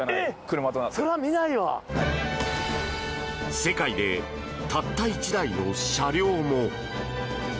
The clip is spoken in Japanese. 世界でたった１台の車両も！